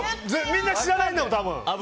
みんな知らないもん、多分。